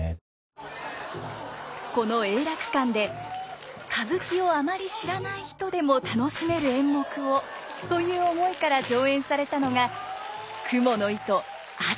「この永楽館で歌舞伎をあまり知らない人でも楽しめる演目を」という思いから上演されたのが「蜘蛛絲梓弦」。